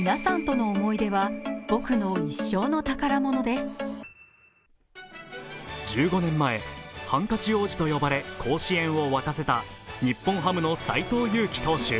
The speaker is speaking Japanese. すると１５年前、ハンカチ王子と呼ばれ甲子園をわかせた日本ハムの斎藤佑樹投手。